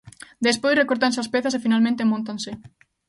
Despois recórtanse as pezas e finalmente móntanse.